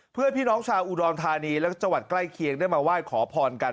เพื่อให้พี่น้องชาวอุดรณฑานีและจใกล้เคียงได้มาว่ายขอพรกัน